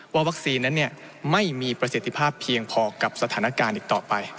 ว่าวัคซีนนั้นเนี่ยไม่มีประเสร็จภาพเพียงพอกับสถานการณ์อีกต่อไป